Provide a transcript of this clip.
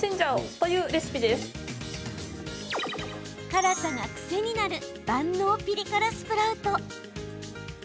辛さが癖になる万能ピリ辛スプラウト。